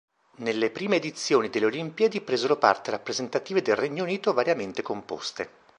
Nelle prime edizioni delle Olimpiadi presero parte rappresentative del Regno Unito variamente composte.